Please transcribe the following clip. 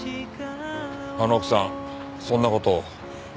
あの奥さんそんな事を。